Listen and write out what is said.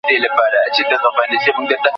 چي اصلي فساد له تا خیژي پر مځکه